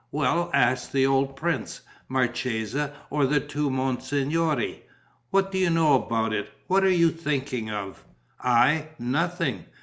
"Well, ask the old prince, marchesa, or the two monsignori." "What do you know about it? What are you thinking of?" "I? Nothing!"